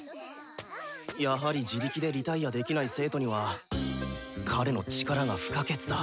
やはり自力でリタイアできない生徒には彼の力が不可欠だ。